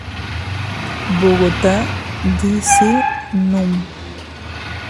Bogotá D. C., núm.